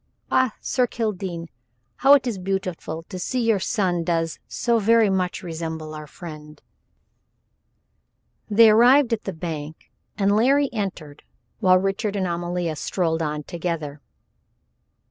Ah, Sir Kildene, how it is beautiful to see your son does so very much resemble our friend." They arrived at the bank, and Larry entered while Richard and Amalia strolled on together.